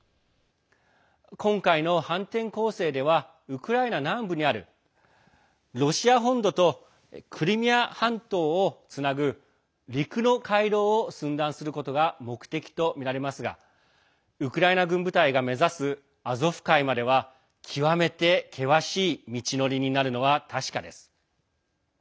今回の反転攻勢ではウクライナ南部にあるロシア本土とクリミア半島をつなぐ陸の回廊を寸断することが目的とみられますがウクライナ軍部隊が目指すアゾフ海までは極めて険しい道のりになるのは確かです。